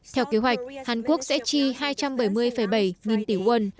theo kế hoạch hàn quốc sẽ chi hai trăm bảy mươi bảy nghìn tỷ won